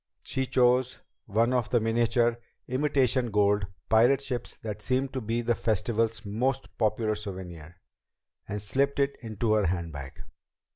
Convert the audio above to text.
She chose one of the miniature imitation gold pirate ships that seemed to be the Festival's most popular souvenir, and slipped it into her handbag.